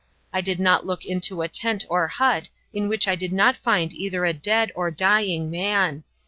I did not look into a tent or hut in which I did not find either a dead or dying man.